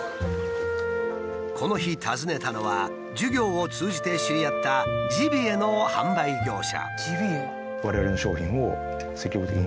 この日訪ねたのは授業を通じて知り合ったジビエの販売業者。